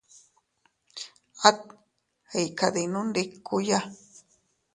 At iykaddinnundikuya.